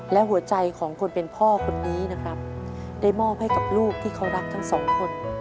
และหัวใจของคนเป็นพ่อคนนี้นะครับได้มอบให้กับลูกที่เขารักทั้งสองคน